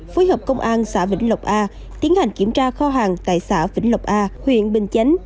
phối hợp công an xã vĩnh lộc a tiến hành kiểm tra kho hàng tại xã vĩnh lộc a huyện bình chánh